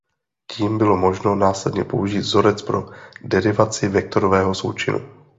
Tím bylo možno následně použít vzorec pro derivaci vektorového součinu.